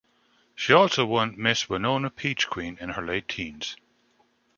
She also won Miss Winona Peach Queen in her late teens.